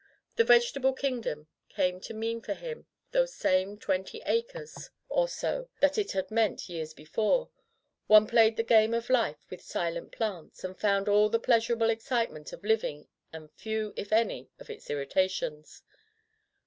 The Vegetable Kingdom came to mean for him those same twenty acres or Digitized by LjOOQ IC Interventions so that it had meant years before. One played the game of life with silent plants, and found all the pleasurable excitement of living and few, if any, of its irritations.